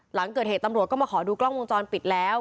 หลังเกิดเหตุตำรวจก็มาขอดูกล้องวงจรปิดแล้ว